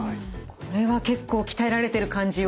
これは結構鍛えられている感じを。